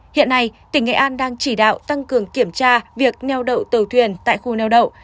hiện nay tỉnh nghệ an đang chỉ đạo tăng cường kiểm tra việc neo đậu tàu thuyền tại khu neo đậu